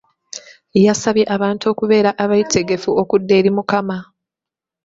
Yasabye abantu okubeera abeetegefu okudda eri Omukama